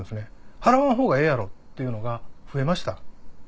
「払わんほうがええやろ」っていうのが増えました。